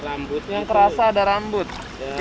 nanti kita taruh cetakan pun yang sama menurut driesactiv enam